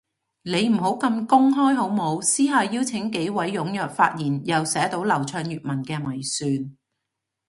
你唔好咁公開好冇，私下邀請幾位踴躍發言又寫到流暢粵文嘅咪算